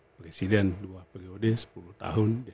presiden dua periode sepuluh tahun